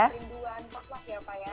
kerinduan posmas ya pak ya